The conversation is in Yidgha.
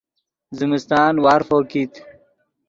زمستان وارفو کیت